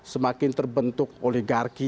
semakin terbentuk oligarki